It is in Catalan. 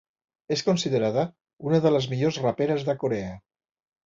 És considerada una de les millors raperes de Corea.